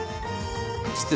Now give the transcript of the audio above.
失礼。